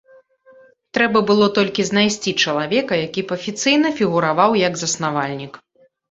Трэба было толькі знайсці чалавека, які б афіцыйна фігураваў як заснавальнік.